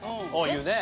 言うね。